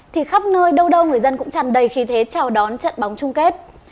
thì khắp nơi đâu người dân cũng chẳng đầy khí thế chào đón trận bóng chung kết